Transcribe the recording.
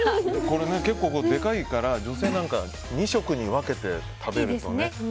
これ結構でかいから女性なんか２食に分けて食べられるね。